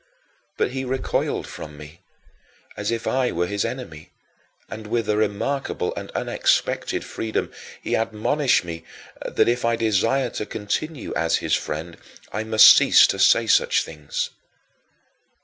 But he recoiled from me, as if I were his enemy, and, with a remarkable and unexpected freedom, he admonished me that, if I desired to continue as his friend, I must cease to say such things.